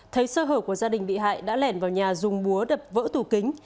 thấy sơ hở của gia đình bị hại đã lẻn vào nhà dùng búa đập vỡ tủ kính